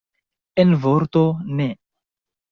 En vorto, ne.